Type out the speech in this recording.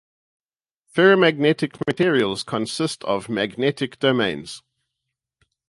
Ferromagnetic materials consist of magnetic domains.